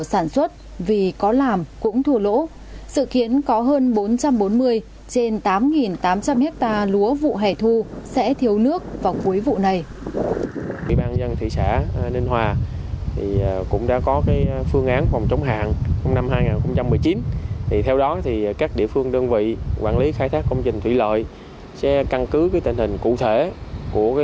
sản xuất vì có làm cũng thua lỗ sự khiến có hơn bốn trăm bốn mươi trên tám tám trăm linh hectare lúa vụ hẻ thu sẽ thiếu